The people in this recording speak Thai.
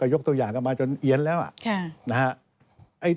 เอาตัวอย่างจนเอี้ยนไหม